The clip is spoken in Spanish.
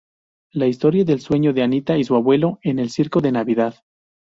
La Historia del sueño de Anita y su abuelo en el Circo de Navidad.